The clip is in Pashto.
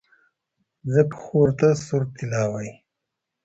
ځکه خو ورته سور طلا وايي.